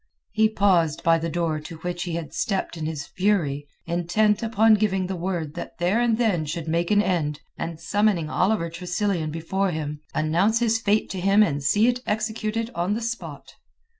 He paused by the door to which he had stepped in his fury, intent upon giving the word that there and then should make an end, and summoning Oliver Tressilian before him, announce his fate to him and see it executed on the spot.